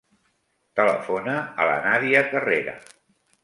Telefona a la Nàdia Carrera.